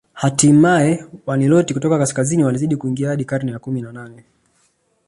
Hatimae Waniloti kutoka kaskazini walizidi kuingia hadi karne ya kumi na nane